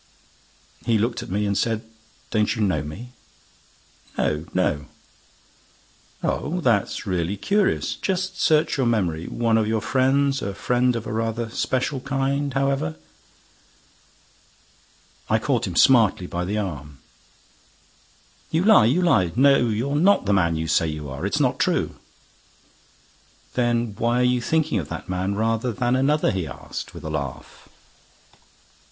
He looked at me and said: "Don't you know me?" "No—no!" "Oh, that's really curious! Just search your memory—one of your friends—a friend of a rather special kind—however—" I caught him smartly by the arm: "You lie! You lie! No, you're not the man you say you are—it's not true." "Then why are you thinking of that man rather than another?" he asked, with a laugh.